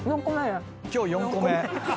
今日４個目。